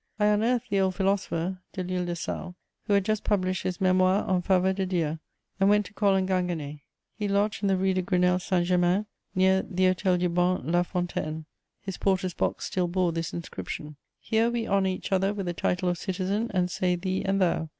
I unearthed the old philosopher, Delisle de Sales, who had just published his Mémoire en faveur de Dieu, and went to call on Ginguené. He lodged in the Rue de Grenelle Saint Germain, near the Hôtel du Bon La Fontaine. His porter's box still bore this inscription: "Here we honour each other with the title of citizen and say thee and thou.